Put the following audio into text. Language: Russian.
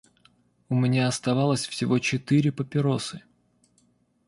У меня оставалось всего четыре папиросы.